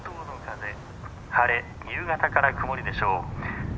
「晴れ夕方から曇りでしょう」。